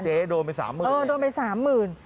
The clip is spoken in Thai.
เจ๊โดนไป๓๐๐๐๐บาท